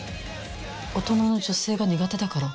大人の女性が苦手だから？